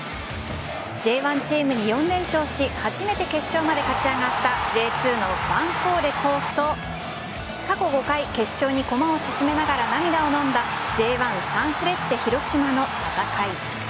Ｊ１チームに４連勝し初めて決勝まで勝ち上がったＪ２のヴァンフォーレ甲府と過去５回決勝に駒を進めながら涙をのんだＪ１・サンフレッチェ広島の戦い。